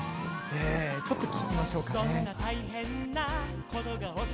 ちょっと聞きましょうか。